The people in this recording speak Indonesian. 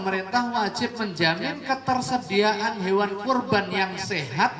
pemerintah wajib menjamin ketersediaan hewan kurban yang sehat